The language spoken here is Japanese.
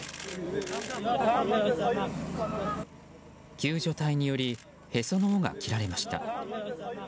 救助隊によりへその緒が切られました。